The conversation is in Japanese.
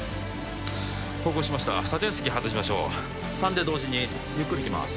縫合しましたサテンスキー外しましょう３で同時にゆっくりいきます